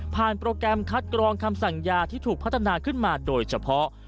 โปรแกรมคัดกรองคำสั่งยาที่ถูกพัฒนาขึ้นมาโดยเฉพาะ